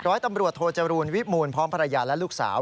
ร้อยตำรวจโทจรูลวิมูลพร้อมภรรยาและลูกสาว